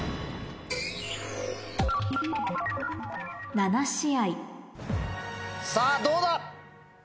「７試合」さぁどうだ？